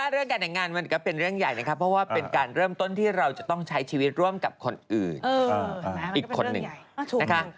เรื่องการแต่งงานมันก็เป็นเรื่องใหญ่นะครับเพราะว่าเป็นการเริ่มต้นที่เราจะต้องใช้ชีวิตร่วมกับคนอื่นอีกคนหนึ่งนะคะ